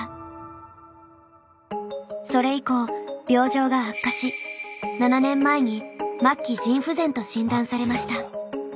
それ以降病状が悪化し７年前に末期腎不全と診断されました。